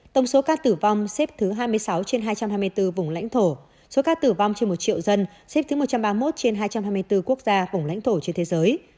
tổng số ca tử vong xếp thứ hai mươi sáu trên hai trăm hai mươi bốn vùng lãnh thổ số ca tử vong trên một triệu dân xếp thứ một trăm ba mươi một trên hai trăm hai mươi bốn quốc gia vùng lãnh thổ trên thế giới